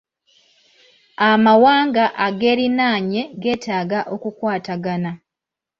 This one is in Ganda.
Amawanga agerinaanye getaaga okukwatagana.